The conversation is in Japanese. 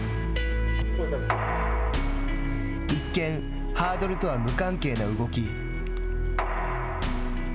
一見ハードルとは無関係な動き。